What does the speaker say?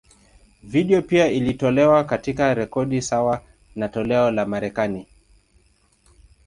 Video pia iliyotolewa, katika rekodi sawa na toleo la Marekani.